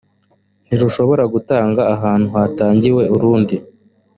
ntirushobora gutangwa ahantu hatangiwe urundi